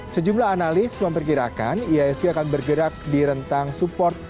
sejumlah analis memperkirakan iisg akan bergerak di rentang support rp enam delapan ratus delapan puluh